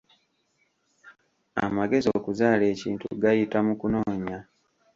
Amagezi okuzaala ekintu gayita mu kunoonya.